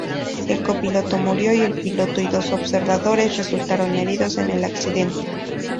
El copiloto murió y el piloto y dos observadores resultaron heridos en el accidente.